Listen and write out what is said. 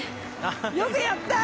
よくやった！